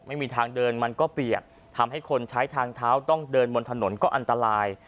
ไม่มีทางเดินมันก็เปียกทำให้คนใช้ทางเท้าต้องเดินบนถนนก็อันตราย